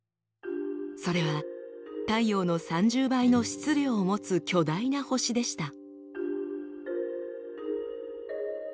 それは太陽の３０倍の質量を持つ巨大な星でした。